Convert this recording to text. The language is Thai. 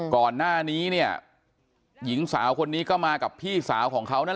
ก่อนหน้าหนี้หญิงสาวคนนี้ก็มากับพี่สาว